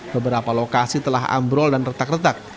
beberapa lokasi telah ambrol dan retak retak